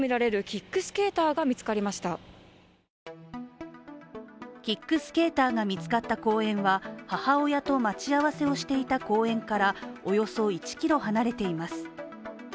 キックスケーターが見つかった公園は母親と待ち合わせをしていた公園からおよそ１ｋｍ離れています。